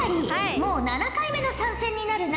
もう７回目の参戦になるな？